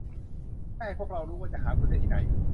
แค่ให้พวกเรารู้ว่าจะหาคุณได้ที่ไหน